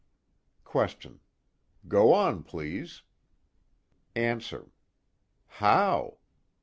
QUESTION: Go on, please. ANSWER: How?